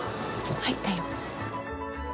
入ったよ。